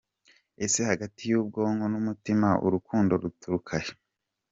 Ese hagati y’ubwonko n’umutima, urukundo ruturuka he?.